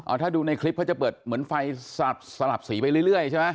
ถ้าดูในคลิปเขาจะเปิดเหมือนไฟสลับสลับสีไปเรื่อยใช่ไหม